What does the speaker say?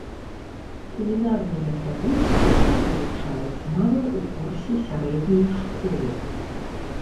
Кулінарныя традыцыі тут вывучаюць нават у курсе сярэдняй школы.